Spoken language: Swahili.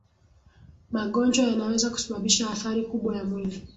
magonjwa yanaweza kusababisha athari kubwa ya mwili